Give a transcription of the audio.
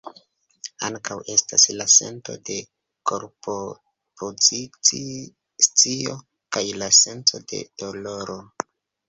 Ankaŭ estas la sento de korpopozici-scio kaj la senco de doloro.